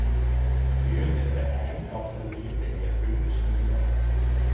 Für den Verein absolvierte er fünf Spiele.